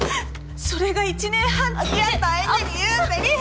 それが１年半つきあった相手に言うせりふ？